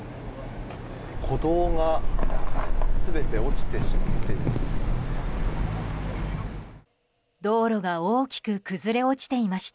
歩道が全て落ちてしまっています。